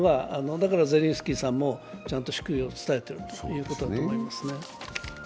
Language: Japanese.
だからゼレンスキーさんもちゃんと祝意を伝えているということになるんですね。